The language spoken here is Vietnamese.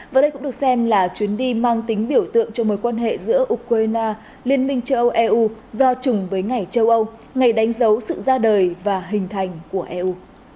và đây cũng được xem là chuyến đi mang tính biểu tượng cho mối quan hệ giữa ukraine liên minh châu âu eu do chùng với ngày châu âu ngày đánh dấu sự ra đời và hình thành của eu